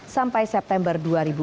sampai september dua ribu empat belas